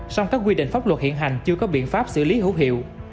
song các quy định pháp luật hiện hành chưa có biện pháp xử lý hữu hiệu